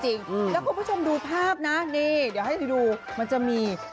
แล้วกับคุณผู้ชมดูภาพนะนี่เดี๋ยวให้ที่รู้มันจะมี